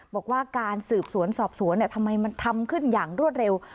บอกว่าการสืบสวนสอบสวนทำไมมันทำขึ้นอย่างรวดเร็ว